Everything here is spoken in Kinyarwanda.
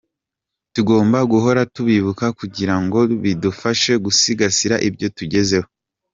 Tugomba guhora tubibuka kugira ngo bidufashe gusigasira ibyo tugezeho.